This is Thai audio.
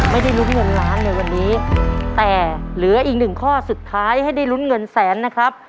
ไม่ได้ลุ้นเงินล้านในวันนี้แต่เหลืออีกหนึ่งข้อสุดท้ายให้ได้ลุ้นเงินแสนนะครับ